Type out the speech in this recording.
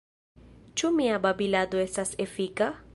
Ĉu mia babilado estas efika?